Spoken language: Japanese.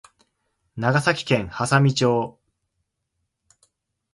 長崎県波佐見町